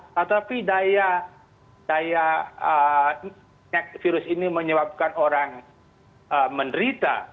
tetapi daya virus ini menyebabkan orang menderita